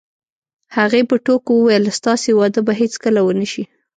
هغې په ټوکو وویل: ستاسې واده به هیڅکله ونه شي.